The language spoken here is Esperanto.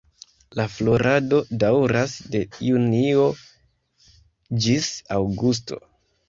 La florado daŭras de junio ĝis aŭgusto.